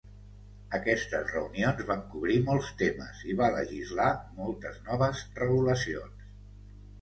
Aquestes reunions van cobrir molts temes i va legislar moltes noves regulacions.